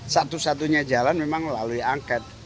satu satunya jalan memang melalui angket